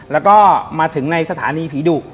แล้วก็มาถึงในสถานีผีดุ